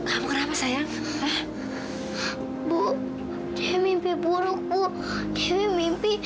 aku akan pergi